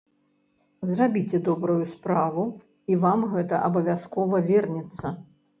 Зрабіце добрую справу і вам гэта абавязкова вернецца!